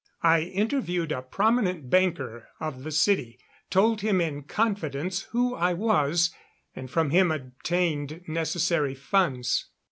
I interviewed a prominent banker of the city, told him in confidence who I was, and from him obtained necessary funds.